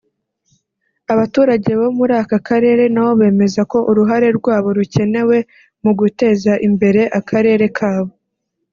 Abaturage bo muri aka karere nabo bemeza ko uruhare rwabo rukenewe mu guteza imbere akarere kabo